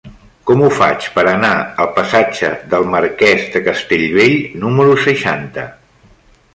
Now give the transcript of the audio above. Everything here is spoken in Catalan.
Com ho faig per anar al passatge del Marquès de Castellbell número seixanta?